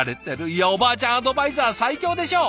いやおばあちゃんアドバイザー最強でしょ！